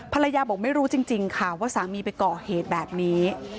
บอกไม่รู้จริงค่ะว่าสามีไปก่อเหตุแบบนี้